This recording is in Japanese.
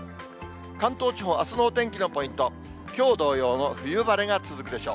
関東地方、あすのお天気のポイント、きょう同様の冬晴れが続くでしょう。